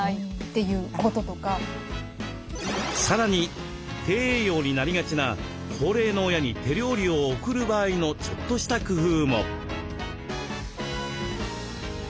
さらに低栄養になりがちな高齢の親に手料理を送る場合のちょっとした工夫も。